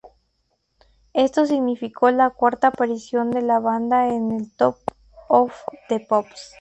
Esto significó la cuarta aparición de la banda en el "Top of the Pops".